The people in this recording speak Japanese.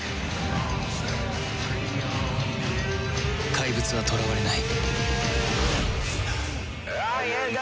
怪物は囚われない